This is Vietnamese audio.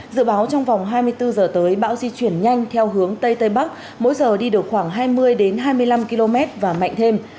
dự báo trong vòng hai mươi bốn giờ tới bão di chuyển nhanh theo hướng tây tây bắc mỗi giờ đi được khoảng hai mươi hai mươi năm km và mạnh thêm